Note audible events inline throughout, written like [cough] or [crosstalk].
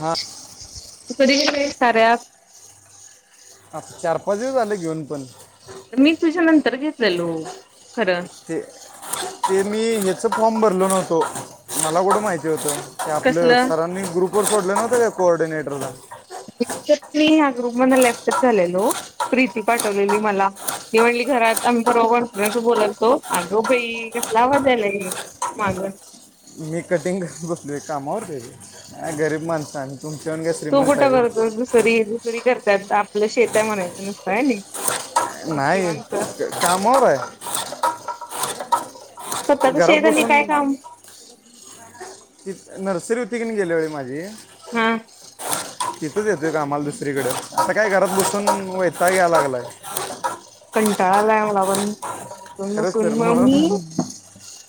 हां- तू कधी [unintelligible] आत चार, पाच दिवस जाले घेऊन पण. मी तुझ्या नंतर घेतलेलो- खरं ते ते मी हेचं फॉर्म भरल नव्हतो मला कुठं माहिती होतं. ते आपलं कसलं? सरांनी ग्रुपवर सोडलं नव्हतं काय कोऑर्डिनेटरला. ग्रुपमधन लेफ्टच झालेलो, प्रीती पाठवलेली मला ती म्हणटली घरात आम्ही काॅन्फरन्स- बोलालतो अगं बाई! कसला आवाज आयलाय हे माग! मी हे कटिंग बसलोय कामवरती हाय रे! गरीब माणसं आम्ही. तू कुठं करतोस दुसरी -दुसरी करत्यात, आपलं शेत आहे म्हणायचं नसतं! होती. नाहीं कामवर आहे. स्वतःच घरात शेत आणि बसून, काय काम ति नर्सरी होतीकीनी गेल्यावेळी माझी- हां- तिथच येतोय कामाला दुसरीकडे आता काय घरात बसून वैताग यालागलाय. कंटाळाला आलाय मला पण बसून- खरंच सर बसून मग मी म्हणून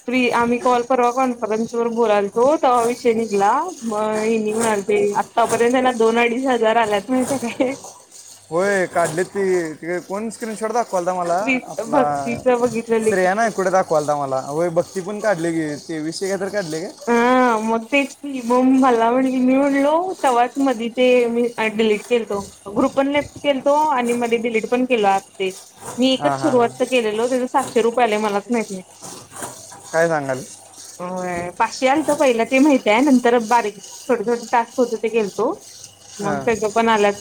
फ्री आम्ही- कॉल परवा कॉन्फरन्स वर बोलालतो, तवा विषय निघला मग हेनी म्हणालते आतार्यंत- तरी माझ दोन अडीच हजार आल्यात माहितेय काय? तिकड कोण स्क्रीनशॉट दाख- दाखवालता मला आपला भक्तीच बघितलेलं श्रेया की नाय कुठ दाखवायला मला वय बघ. ति पण काढलय की, ते विषय काय - हां मगतेच की- मगं मला म्हणली, मी म्हणलो तव्हाच मधी ते मी डिलीट केलतो. ग्रुपपण लेफ्ट - केलतो आणि मधे डिलीट पण केला आं ते- मी हां एकच हां हां सुरुवात तर केलेलो त्याच सातशे रुपये आले मलाच माहीत नाही. काय सांगायल? होय पाचशे आल तर पहिलं. ते माहित आहे नंतर बारीक छोटे- छोटे टास्क होतो ते केलतो. मग हां तेज पण आल्यात.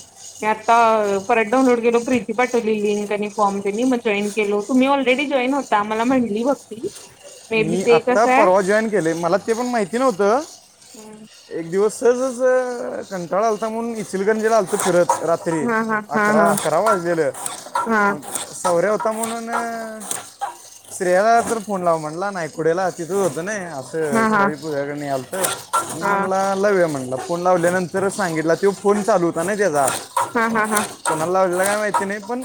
मी आता परत डाऊनलोड केलो प्रीती पाठवलेली लिंक आणि फॉर्म तेनी मग जॉईन केलो तुम्ही ऑलरेडी- जॉइन होता मला म्हटलीं भक्ती. मे बी मी ते आत्ता कसं आहे. परवा जॉईन केलेय. मला ते पण माहिती नव्हत एक- दिवस सहजच कंटाळा आलता म्हणून इचलकरंजीला आलतो फिरत. रात्री हा हा हा अकरा- हा अकरा वाजलेेल हा मग सौऱ्या हो- ता म्हणून श्रेयाला तर फोन लाव म्हटलां, नायकुडेला तिथंच होतं नाही- हा हा आतांवाईप वेगळं नाही आलतं मी हा म्हणला लवया म्हणला फोन लावल्यानंतरच सांगितला तेवो फोन चालू होता नाही त्याचा हा हा हा ला का माहिती नाही पण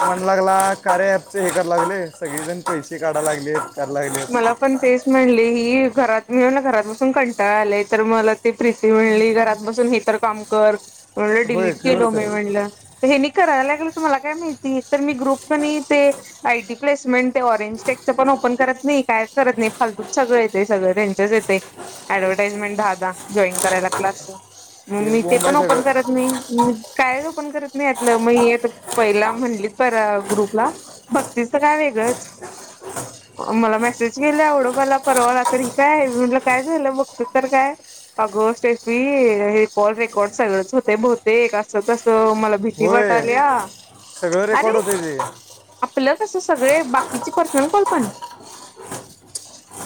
म्हणू लागला कारे पचे हे करायला लागले सगळेजण पैसे काढाला लागले लागले मला पण तेच म्हणले ही घरात मी म्ह ना घरात बसून कंटाळ आले तर मला ती प्रीती मिळली घरात बसून हे तरर काम कर एडं होय डिलीट केल खरंच सर मी म्हणलं तर हे करायला लागेल मला काय माहि मी ग्रुप प ते आयटी प्लेसमेंट ते ऑरेंजटेकच पण ओपन कर नाही कायच करत नाही फालतूत सगळं येते सगळं त्यांच्याच येते ऍडव्हर्टाइजमेंट द द जॉईन करायला क्लास म तेच मी ते बोंब आहे पण ओपन सगळं करत नाही कायच ओपन करत नाही यातलं मग पहिला म्हणलीत पर ग्रुपला भक्तीच काय वेग च मला मेसेज केलं आवडं मला परवाला तर काय आहे म्हटलं काय झालं बघत तर काय अगो स एफी हे कॉल रेकॉर्ड सगळंच होते बहते असं तसं मला भीती होय वाटते सगळं रेकॉर्ड अरे होते ते नाही आपलं कस- सगळे बाकीचे पर्सनल कॉल पण?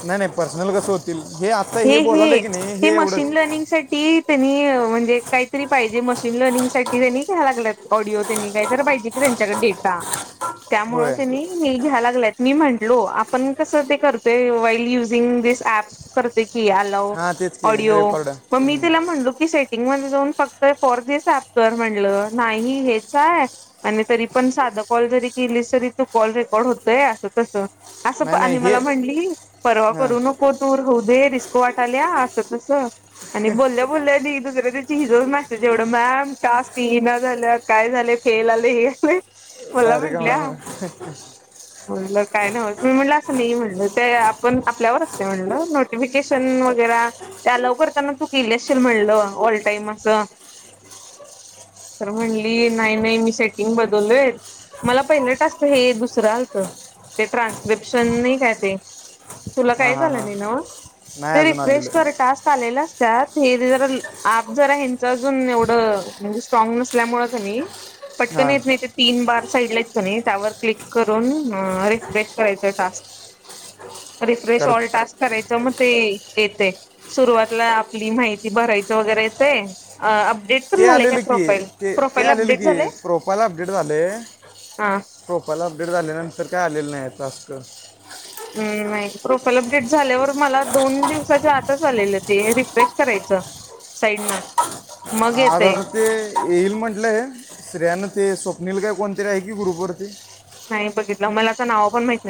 नाही नाही पर्सनल कसं होतील? आत्ता हे हे बोलाले की नाही हे मशीन एवढंच लर्निंगसाठी त्यांनी म्हणजे काहीतरी पाहिजे मशीन लर्निंग साठी त्यांनी घ्या लागल्यात ऑडिओ त्यांनी काहीत पाहिजे क त्यांच्याकडे डेटा त्यामुळे होय त्यांनी हे घ्या लागल्यात. मी म्हटलो आपण कस ते करतोय मोईल युिंगऍ करत. क आला हां तेच की ऑडिओ रेकॉर्ड मग मी तिला म्हणलो की सेटिंग जाऊन फक्त फोर दिस कर म्हटलं तर नाही, हेच आहे तरी पण साधं कॉल री केली तरी तू कॉल रेकॉर्ड होतय अस तस. नाही असं नाही आणि हे मला म्हणली परवा हां करू नको तूर होऊ दे दिस वाट आल्या अस तसं आणि बोलल्या बोलल्या आणि दुसऱ्या चिज मेसेज एवढं मॅम टास्क इना झालं काय झालं फेल आले हे आलं मला बारीक म्हंटल्या- आहे. काय नव मी म्हणलं असं नाही म्हणल ते आपण आपल्यावर असले म्हणल नोटी वग लव करताना तू केलेशील म्हणलं ऑल टाईम असं तर म्हणली नाही नाही मी सेटिंग बदललोय. मला पहिलं टास्क हे दुसरं आलतं ते ट्रान्स्क्रिप्शन नाही काय ते तुला हां काही हां झालं हां नाही ना नाही ते अजून रिफ्रेश आलेलं कर टास्क आलेला त हे ज आप जरा हच अजून एवढं म्हणजे स्ट्रांग नसल्यामुळे पटकन हां येत नाही ते तीन बार साड त्यावर क्लिक करून रिफ्रेश करायच टास्क. रिफ्रेश कर ऑल टास्क करायचं म ते येते सुरुवातीला आपली माहिती भरायचं वगैरे येते ते आलेलं की ते ते आलेलं की झालंय? प्रोफाईल अपडेट झाले. हा प्रोफाईल अपडेट झालेल्यानंतर काय आलेलं नाही आता टास्क. हम्म मा प्रोफाईल अपडेट झाल्यावर मला दोन दिवसाच्या आताच आलेलं ते रिफ्रेश करायचं. साईड न. आता आ ते येईल म्हंटलं हे स्त्रियांन ते सोप नल काय कोणती आहे की ग्रुपवरती. नाही बघितलं मला आता नावं पण माहिती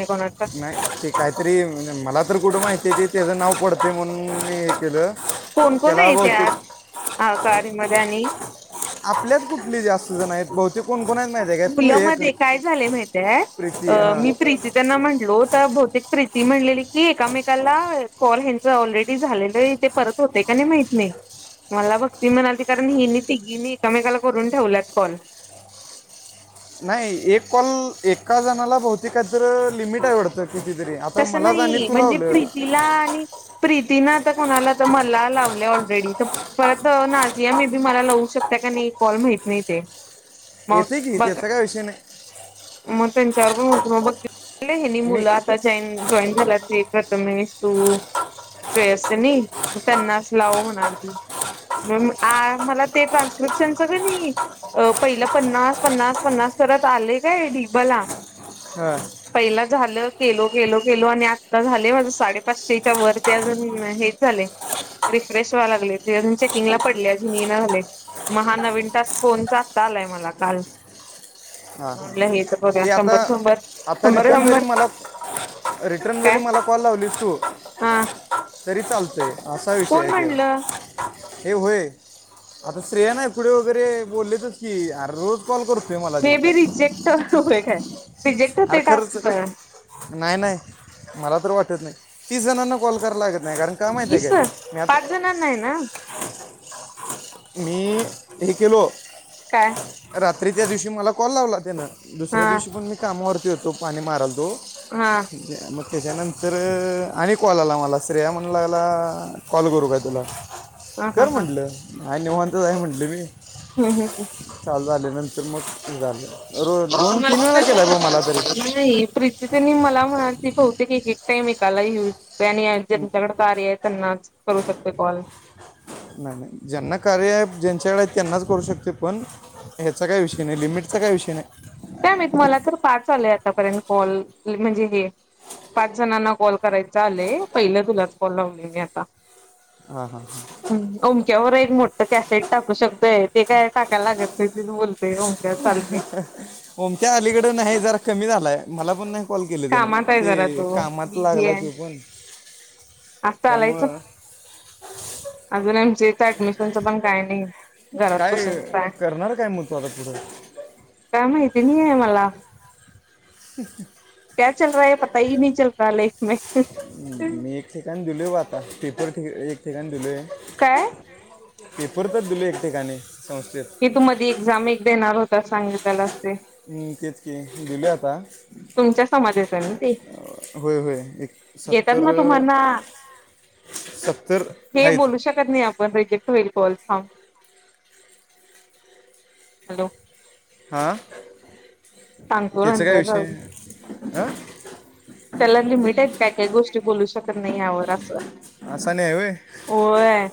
नाही ते काहीतरी मला तर कुठं माहिती आहे की त्याचं नाव पडते म्हणून मी हे केलं. कोण कोण त्याला आहे बहुतेक त्यात आत आ कारमध्ये आणि आपल्यात कुठले जास्त जण आहेत बहुतेक कोण कोण आहेत माहिती आहे काय तू मुलं म एक काय झाले माहिती प्रीती आहे हां मी प्रीती त्यांना म्हटलो त्या भौतिक प्रीती म्हलेली की एकामेकाला कॉल हच ऑलरेडी झालेलं ते परत होते का नाही माहत नाही. मला बघती म्हणाली कारण हिनी तिघी न एकमेकाला करून ठेवल्यात कॉल. नाही एक कॉल एका जणाला बहते काहीत लिमिट आवडतं. तसं नाही म्हणजे प्रीतीला आणि प्रीती ना आता कोणाला तर मला लावलं ऑलरेडी तर परत नाझिया मे बी मला लावू शकत कॉल माहित नाही ते येते की मग त्याचा काय विषय नाही त्यांच्यावर पण होत मग बघ मी मुलं जॉईन झाला त प्रथमेश, तू श्रेयसनी त्यांनाच लाव म्हणाल ते. मला ते ट्रान्स्क्रिप्शनच कणी पहिला पन्नास, पन्नास, पन्नास सर आले काय ढीग बाला. हा. झालं. केलो केलो केलो आणि आता झाले माझ साडेपाचशेच्या वर ते अजून हेच झाले. रिफ्रेश व्हा लागले त चेकिंग ला पडले अजून म ना झाले महा नवीन तास फोनचा आता आलाय मला काल हां ह म्हटलं हे तर बघूया ते आता शंभर शंभर आता शंभर रिटर्न जरी शंभर मला रिटर्न जरी काय मला कॉल लावली तू हा तरी चालतय असा कोण विषय म्हणलं आहेेत हे होय आता श्रेया ना पुढे वगैरे बोललेतच की अर रोज कॉल कर फे मलाज मे बी रिजेक्ट होय काय रिजेक्ट अरे होते खरच टास्क नाही नाही मला तर वाट नाही तीस जणांना कॉल कराला लागत नाही कारण का मा तीस का मी आ पाच जणांना आहे ना मी हे केलो काय तरी त्या दिवशी मला कॉल लावला त्यानं दुसऱ्या हा दिवशी पण मी कामावरती होतो पाणी मारालो दो हा त्याच्यानंतर आणि कॉल आला मला श्रेया म्हणलाला कॉल करू काय तुला ह ह कर म्हंटलं आणि निव्हतच आहे म्हंटलं मी हा ह ह नंतर मग हे झालं रो म दोन तीन वेळा केलाय भाऊ मला तरी नाही प्रीती त्यांनी मला म्हणा त ब क टा म कही युज पह ज न- झकटका र आहे त्यांनाच करू शकते कॉल नाही नाही ज्यांना कार्य आहे ज्यांच्याकडे आहेत त्यांनाच करू शकते पण ह्याचा काही विषय नाही लिमिट सग काय विषय नाही काय माहित मला तर पाच आले आतापर्यंत कॉल म्हणजे हे पाच जणांना कॉल करायचा आले पहिले तुलाच कॉल लावले मी आता हां हां हां मकवर मोठ त्या साईट टाकू शकतोय ते काय टाकायला लागत नाही बोलते मक्या चालते मच्या्या अलीकड नाही जरा कमी झालाय मला पण नाही कॉल केले त्यान कामात आहे जरा ते तो कामात लागला ते पण आजता आलायचं त्यामुळं अजून एम जच ऍडमिशनच पण काय नाही घरात काय बसूनच आहे करणार काय मग तो आता तुझं काय माहिती नाही आहे मला क्या चल रहा ह पता ह नाही चल रहा लाईफ मे मी एक ठिकाणी दिलो आता पेपर एक ठिकाण दिलोय काय? पेपर तर दिले एक ठिकाणी - की तू मध्ये एक्झाम एक देणार होता, सांगितलेल असते. हं तेच कि, दिले आता. तुमच्याच समाजात येत ना ते? होय होय एक घेतात सत्तर मग अं. तुम्हाना हे बोलू शकत नाही. आपण रोज एक - कि होईल थांब. हॅलो! हा सांगतो त्याच काय नंतर विषय हं? त्याला लिमिट आहे. काय काय गोष्टी बोलू शकत नाही यावर असं.. अस नाही आहे, होय. होय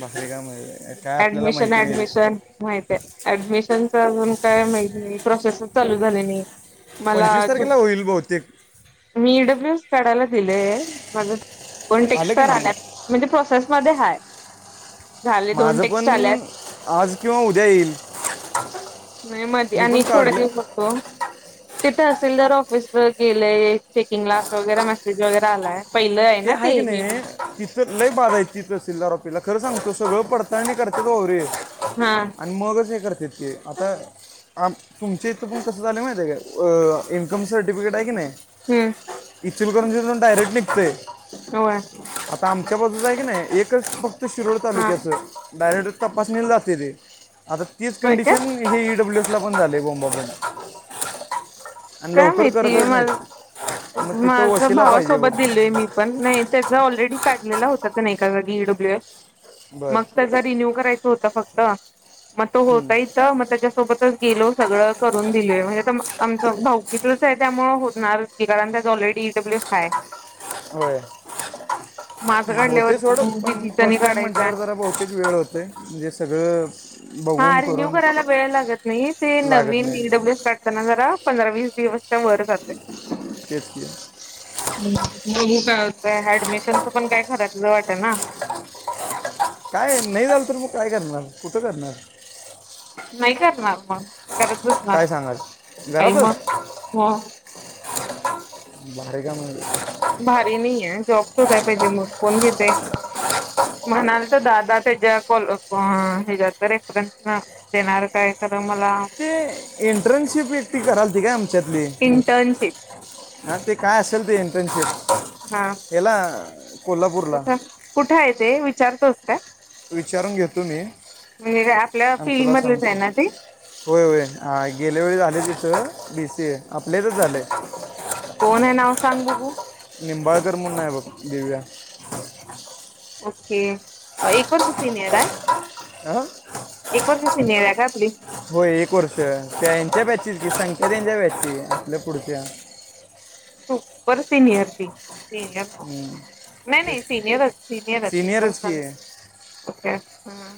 भारी काम आहे काय आपल्याला ऍडमिशन, माहिती नाही ऍडमिशन माहित आहे. अऍडमिशन, तुमच आजुन काय माहित नाही. प्रोसेस चालू झाले नाही. मला पंचवीस तारखेला होईल बहुतेक मी डब्लू- चढायला दिले मग पण आलं की टेक्स्टर नाही आल्या, म्हणजे प्रोसेस मध्ये हाय. झाले दोन माझं पण टेक्स्ट आल्यात आज किंवा उद्या येईल. नाही मध्ये मी आणि पण थोडे काढलं दिवस बघतो. तिथे तहसीलदार ऑफिस गेलेय. चेकिंगला वगैरे मेसेज वगैरे आलाय. पहिलं ते ना आहे की मे नाही बी तिथं लय बाधा तिथं आहेत तहसीलदार ऑफिसला खरं सांगतो सगळं पडताळणी करतात. वावरे हा आणि मगच हे करत. तितके आता आ तुमच्या इथं पण कसं झालं माहिती काय इन्कमसाठी सर्टिफिकेट हाय हं इचलकरंजीहुन डायरेक्ट निघतेय. होय. आता आमच्या बाजूच आहे की नाही, एकच फक्त शिरोळ हा तालुक्याचं डायरेक्ट तपासणीला जातय ते आता तीच होय काय कंडिशन हि ईडब्ल्यूएफ त पण झाले बोंबा बोबं काय माहिती मा मग तिथं माझ वशिला पाहिजे बघ भावासोबत दिलेय मी. पण नाही त्याचा ऑलरेडी काढलेला होता, तर नाही का जागी ईडब्ल्यू एफ बर मग त्याचा रिन्यू करायचा होता फक्त - मग तो हम्म. होता इथ, मग त्याच्यासोबतच गेलो. सगळं करून दिलोय म्हणजे आमचा भाऊ. हितलंच आहे त्यामुळेच होणारच की, कारण त्याच ऑलरेडी ईडब्ल्यूएस हाय होय. - [inaudible] होते थोडं पण फर्स्ट टाईम, काढायचा म्हटल्यावर जरा बहुतेक वेळ होते. म्हणजे सगळं हा बघून रिन्यू करून करायला वेळ लागत नाही. ते लागत नवीन नाही ईडब्ल्यूस काढताना जरा पंधरा, वीस - दिवसच्या वर जातोय. तेच कि बघु काय होतंय ऍडमिशनच पण काय, खर्यातलं वाट ना. काय नाही झाल तर, मग काय करणार? कुठं करणार? नाही करणार मग करतच नाही. काय सांगाल आई मग घरातच म् भारी काम की भारी नाहीये जॉब शोधायला पाहिजे. मग कोण घेतय म्हणाले तर दादा, त्याच्या हच्यात रेफरन्स देणार काय? खरं मला ते एंटर्नशिप एकटी कराल, ती काय आमच्यातली इंटर्नशिप हं ते काय असेल, ते इंटर्नशिप ह्याला - कुठ कुठं आहे ते विचारतोस काय? विचारून घेतो मी. म्हणजे काय आपल्या थांब फील्ड तुला मधलेच आहे सांगतो. ना ते होय होय हा गेल्या वेळी झाले ते. तर,, बी सी ए,, आपल्यातच झालंय. कोण आहे नाव सांग बघू.. निंबाळकर म्हणून हाय बघ, ओके, एक वर्ष र्सिनियर हाय आंऽऽ सिनियर या का आपली. होय एक वर्ष, त्या यांच्या बॅचची की संख्या त्यांच्या बॅचची, आपल्या पुढच्या. सुपर सिनियर ती. सिनियर, नाही एक नाही सिनियरच, सिनियरच एक वर्षाने, ओके.. हा,,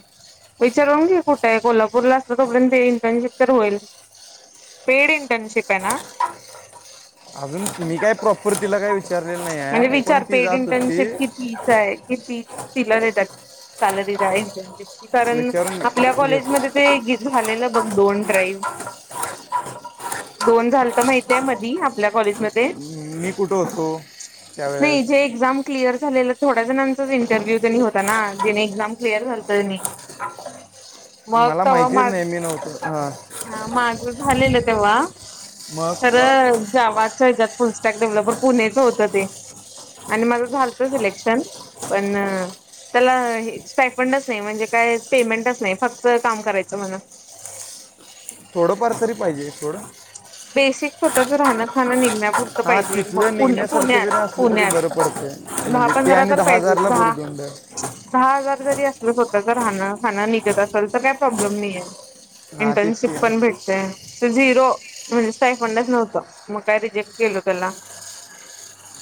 विचारून घे कुठेय,, कोल्हापूरला असलं तोपर्यंत इंटर्नशिप तर होईल. पेड इटर्नशिप आहेना. अजून तुम्ही काय प्रॉपर्टीला काय विचऽऽ म्हणजे विचार पेड इंटर्नशिप कितीच आहे,,, किती. किलर येतात, सॅलरी,, जा ईनटन शीप. कारन विचारून आपल्या घे- कॉलेज घेतो मध्ये ते झालेलं. बघा दोन ड्राईव्ह,, दोन झालतं माहितीय मधी आपल्या कॉलेजमध्ये.. मी कुठं होतो. नाही, त्यावेळेस जे एक्झाम क्लियर झालंय ऽऽ थोड्या जणांचाच इंटरव्ह्यू होता ना, जेने एक्झाम क्लिअर झालतं तनी. मग मला कवा माहितीच माझं. नाही मी नव्हतो हां हा माझं झालेलं तेव्हा,, मग तर जवाच हच्यात पचऽऽ डेव्हलपर पुण्याच होत ते,, आणि माझं झालत सिलेक्शन,, पणऽऽ त्याला हेऽऽ स्टायफंडच नाही, म्हणजे काय पेमेंटच नाही,, फक्त काम करायचं म्हणं. थोडंफार तरी पाहिजे, थोडं. बेसिक स्वतःच राहनं खाणं निघण्यांऽऽ हा तिथलं निघण्यासारखे जरी असलं तरी पुण्यात बरं पडतंय, दहा म्हणजे ते पंधरा आणि तर दहा पाहिजे हजारला दहा भूर्दंडऽ ब दहा हजार जरी असलं स्वतः जर राहणं खाणं निघत असेल तर काही प्रॉब्लेम नाही आय. हां तेच इंटर्नशिप की पण भेटते, जीऽ तो स्टाय फंडच नव्हत, मग काय रिजेक्ट केल त्याला.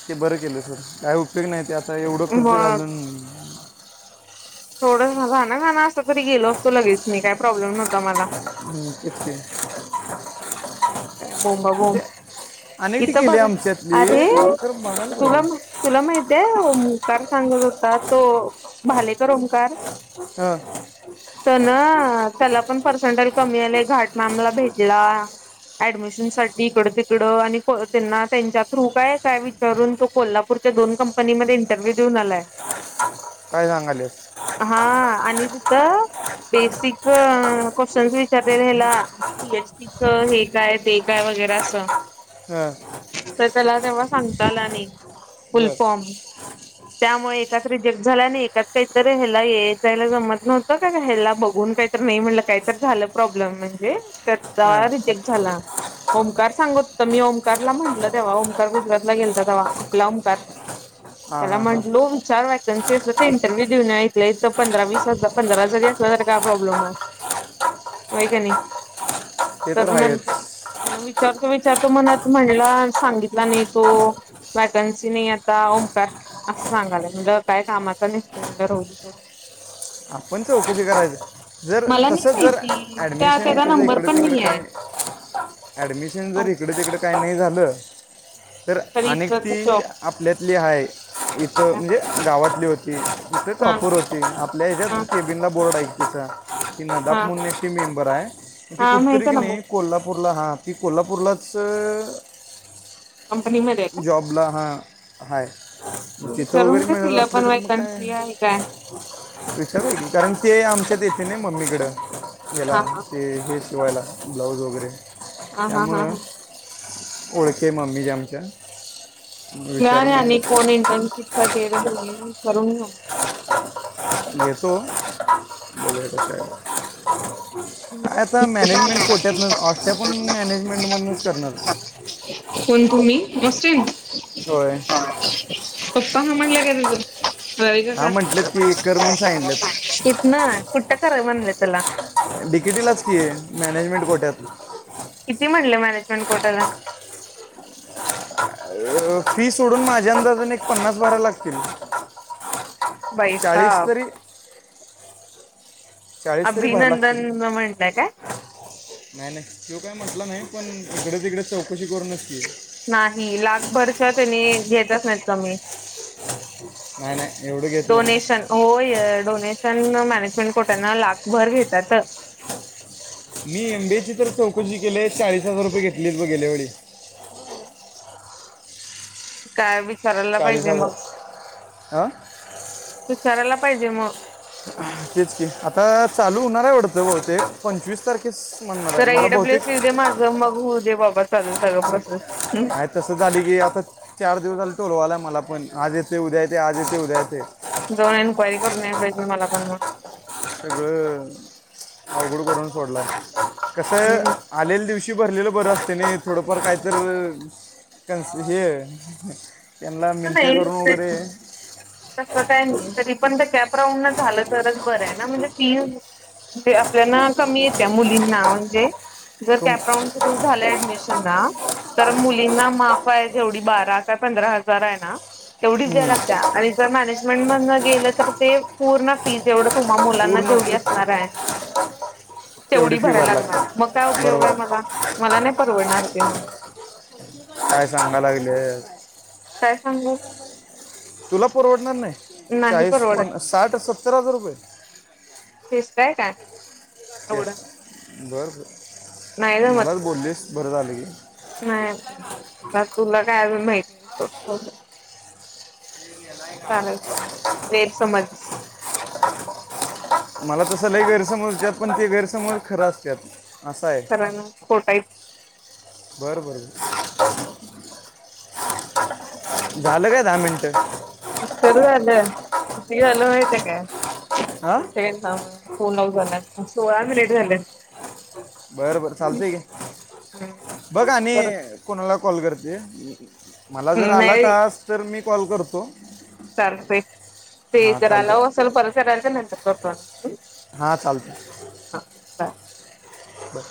ते बरं केलं सर,, काय उपयोग नाही ते आता एवढं खर्च मग घालून.. थोडं, घा ना घां ना असतं, तरी गेलो असतो लगेच मी, काही प्रॉब्लेम नव्हता मला. शक्यय. बोबांबोंब. अनेक ती इथ केली बघ, आमच्यातली अरे, तर बघायला तुला, पाहिजे तुला माहितीये ओमकार सांगत होता तो भालेकर ओमकार. हं. ना त्याला पण पर्सेंटेल कमी आले, घाट मॅमला भेटला. ऍडमिशन साठी इकडं, तिकडं. आणि त्यांना त्यांच्या थ्रू काय काय विचारून तो कोल्हापूरऽऽ दोन कंपनीमध्ये इंटरव्ह्यू देऊन आलाय. काय सांगाऽऽ हाऽऽ आणि तिथंऽ बेसिक अऽऽ क्वेशन विचारते ह्याला पी, एच, पी, च हे काय, ते काय. वगैर अस, हां तर त्याला तेव्हा सांगता आला नाही. फुल बर. फॉर्म त्यामुळे एकाच रिजेक्ट झाल्ं आणिऽऽ त्यात काहीतरी ह्याला येय, जायला जमत नव्हतं, का ह्याला बघून काहीतरी नाही म्हटलं काहीतर झालं प्रॉब्लेम. म्हणजे,, हां त्याचा रिजेक्ट झाला. ओंकार सांगत होता,, मी ओंकारला म्हटलं तेव्हा. ओंकार गुजरातला गेलता तेव्हा,, आपला ओंकार. हां त्याला हां हां म्हणलो विचार ऽऽऽ क इंटरव्ह्यू देऊन या,, इथल्या इथं पंधरा विस हजार, पंधरा जरी असल तरी काय प्रॉब्लेम आहे. मा का नाही ते तर नंतर आहेच विचारतो वि च्या तो मनात म्हटला सांगितला नाही तो वॅकन्सी नाही आता ओंकार सांगालय म्हणज काय कामाचा नसतो म्ह आपण चौकली करायचं जर नाही तसं जर माहिती त्या ॲडमिशन त्याचा तुझं नंबर इकडं पण तिकडं नाही आहे. काय ऍडमिशन जर इकड तिकड काही नाही झालं तर तरी अनेक इथं ती जॉब आपल्यातली आहे इथं म्हणजे गावातली होती क तु तो हा अपूर होते आपल्या ह्याच्यात हा केबीनला बोर्ड ऐक तचा ति नदाप हा मुनची मेंबर आहे ती हा कुठतरी माहित आहे की ना मग नाही कोल्हापूरला हा की कोल्हापूरलाच कंपनीमध्ये आहे का? जॉबला हा तिथं विचारून वगैरे घे मिळत तिला असलं पण तर मग काय वॅकन्सी आहे काय विचारू कारण ते आमच्या येथे मम्मीकड गला हा हा ते किवायला ब्लाऊज वगैरे हा हा हा हा उओळखे ममीजमच्या तुला आणि कोण इंटर्नशिप साठी दो विचारून घ्या म जेेतो बघे कते आता मॅनेजमेंट कोोट्यात ऑष्ट्या पण मॅनेजमेंटमधूनच करणार कोण को नस्न होय स्वपता ह म्हणलं काय तिचं व ग हा म्हटलेत का की कर म्हणून सांगितलेत कुठ ना कुठ्ट ख म्हणलं त्याला तिकिटीलाच की आहे मॅनेजमेंट कोट्यातलं किती म्हटले मॅनेजमेंट कोर्टाला अ फी सोडून माझ्या अंदाजने एक पन्नास बारा लागतील वई चाळीस साब तरी चाळीस तरी भर अभिनंदन लागतील म्हणतय काय नाही नाही तो काय म्हटलं नाही पण इकडे त इकडे चौकशी करूनच की नाही लाखभरच्या त्यांनी घेतच नाहीत कमी नाही नाही एवढं घेत नाही तो. डोनेशन हो डोनेशन म ण कोट्यांना लाख भर घेतात मी एमबीची तर चौक जी केलीय चाळीस हजार रुपये घेतली ब गेल्या वेळी काय विचारायला चाळीस पाहिजे हजार मग हां चरायला पाहिजे मग तेच क आता चालू होणार आहे आवडत ब ते पंचवीस तारखे तर ईडब्ल्यूस सी दे माझं मग होऊ दे बाबा चालू सगळं प्रोसेस आहे तसं झाली की आता चार दिवस झाले तोलू आला मला पण आजच ते उद्या य ते आज ते उद्या य ते जाऊन एन्क्वायरी करून पाहिजे मला पणग अघड करून सोडलाय कस हम्म. आलेल्या दिवशी भरलेलं बर असते थोडंफार काहीत हे त्यांना तस मिनत्या नाही करून वगैरे तस काही नाही तरी पण कॅप राहून झालं तरच बर आहे ना म्हणजे फी म्हणे आपल्याना कमी येत्या मुलींना म्हणजे जर तुम कॅपराऊंड सुरू झालं ऍडमिशन ना तर मुलींना माफ आहे जेवढी बारा काय पंधरा हजार आहे ना तेवढीच हम्म, द्यायलाग त्या आणि जर मॅनेजमेंट मध गेलं तर ते पूर्ण फीज एवढं तुम्हा मुलांना पूर्ण जेवढी असणार आहे तेवढी तेवडी फी भरायला लागणार मग काय लागते उपयोग आहे बरोबर मला मला नाही परवडणार ते म काय सांगाय लागले काय सांगू तुला परवडणार नाही.. नाही चाळीस परवडत पन्नास साठ सत्तर हजार रुपये. य का येस नाही बरं जमत मलाच बोललीस बरं झालं की नाही अजून तुला काय अजून माहितनाय चालेल गैरसमज मला तसलही गैरसमोरच्यात पण ते गैरसमोर खरं असतेत. खरा ना खोटाय. बरं बरं [inaudible] झालं काय दहा मिनटं किती झालं माहिती काय हां इथे [unintelligible] सोळा मिनिट झालेत बरं बरं चालतय घे, बघ आणि परत कोणाला कॉल करते. मला जर आला टास्क तर मी कॉल करतो. चालते ते हां जर आला चालतंय असेल [unintelligible] हां चालत हा बाय बर